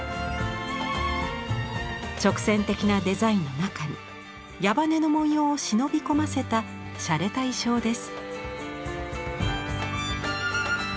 直線的なデザインの中に矢羽根の文様を忍び込ませたしゃれた意匠です。